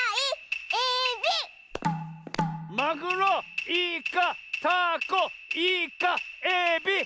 マグロイカタコイカエビ！